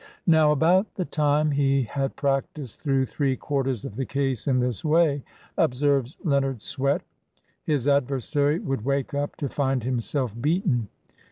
"Now about the time he had practised through three quarters of the case in this way," observes Leonard Swett, "his adversary would wake up to find himself beaten.